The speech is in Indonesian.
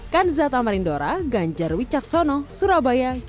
kanzat amarindora ganjar wicaksono surabaya indonesia